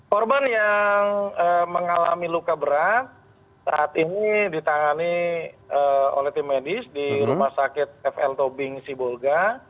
korban yang mengalami luka berat saat ini ditangani oleh tim medis di rumah sakit fl tobing sibolga